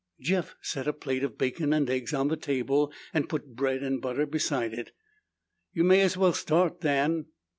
Jeff set a plate of bacon and eggs on the table and put bread and butter beside it. "You may as well start, Dan."